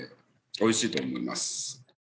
美味しいと思います。